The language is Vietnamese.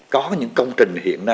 có những công trình hiện nay